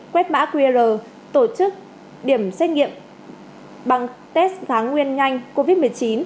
quét mã qr tổ chức điểm xét nghiệm bằng test kháng nguyên nhanh covid một mươi chín